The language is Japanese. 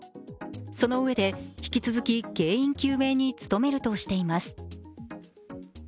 そのうえで、引き続き原因究明に努めるとしています。